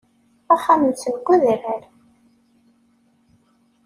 Axxam-nsen deg udrar.